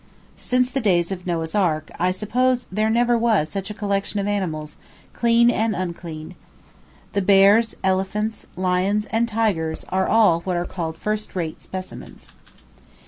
Since the days of Noah's ark, I suppose there never was such a collection of animals, clean and unclean. The bears, elephants, lions, and tigers are all what are called first rate specimens.